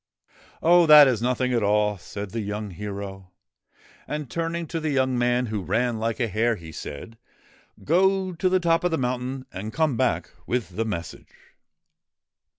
' Oh ! that is nothing at all,' said the young hero. And, turning to the man who ran like a hare, he said :' Go to the top of the mountain and come back with the message.'